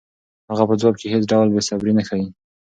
هغه په ځواب کې هېڅ ډول بېصبري نه ښيي.